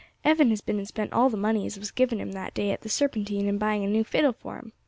"Evan has been and spent all the money as was given him that day at the Serpentine in buying a new fiddle for him.